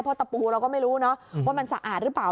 เพราะตะปูเราก็ไม่รู้เนอะว่ามันสะอาดหรือเปล่า